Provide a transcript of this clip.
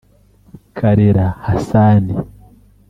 Karera Hassan